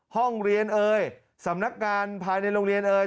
ห้องเรียนเอ่ยสำนักงานภายในโรงเรียนเอ่ย